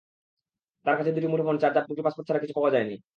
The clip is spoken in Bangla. তাঁর কাছে দুটি মুঠোফোন, চার্জার, দুটি পাসপোর্ট ছাড়া কিছু পাওয়া যায়নি।